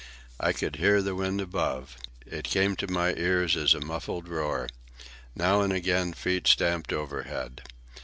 I could hear the wind above. It came to my ears as a muffled roar. Now and again feet stamped overhead.